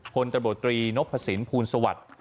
คนตระบบตรีนพสินพูนสวัสดิ์